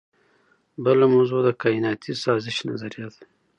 بله موضوع د کائناتي سازش نظریه ده.